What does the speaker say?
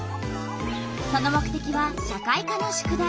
その目てきは社会科の宿題。